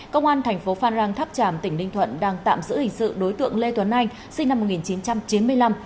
công an thành phố phan rang tháp tràm tỉnh ninh thuận đang tạm giữ hình sự đối tượng lê tuấn anh sinh năm một nghìn chín trăm chín mươi năm